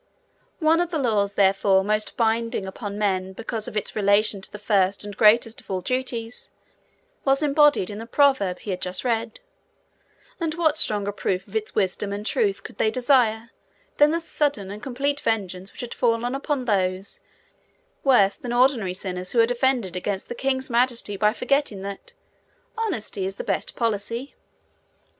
One of the laws therefore most binding upon men because of its relation to the first and greatest of all duties, was embodied in the Proverb he had just read; and what stronger proof of its wisdom and truth could they desire than the sudden and complete vengeance which had fallen upon those worse than ordinary sinners who had offended against the king's majesty by forgetting that 'Honesty Is the Best Policy'?